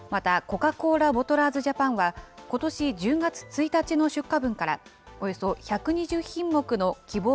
コカ・コーラボトラーズジャパンは、ことし１０月１日の出荷分から、およそ１２０品目の希望